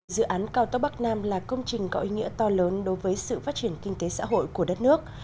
dự án cao tốc bắc nam là công trình có ý nghĩa to lớn đối với sự phát triển kinh tế xã hội của đất nước